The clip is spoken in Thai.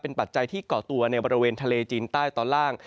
ปัจจัยที่เกาะตัวในบริเวณทะเลจีนใต้ตอนล่าง